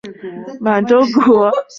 并将中东铁路卖给满洲国。